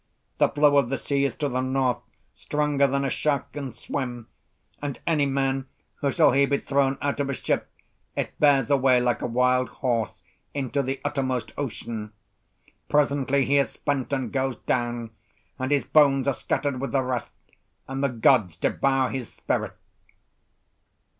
The flow of the sea is to the north, stronger than a shark can swim, and any man who shall here be thrown out of a ship it bears away like a wild horse into the uttermost ocean. Presently he is spent and goes down, and his bones are scattered with the rest, and the gods devour his spirit."